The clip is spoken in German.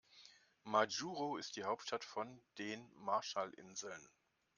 Majuro ist die Hauptstadt von den Marshallinseln.